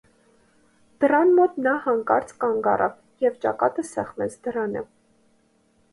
Դռան մոտ նա հանկարծ կանգ առավ և ճակատը սեղմեց դռանը: